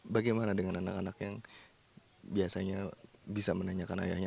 bagaimana dengan anak anak yang biasanya bisa menanyakan ayahnya